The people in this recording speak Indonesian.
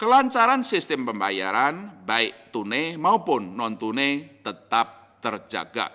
kelancaran sistem pembayaran baik tunai maupun non tunai tetap terjaga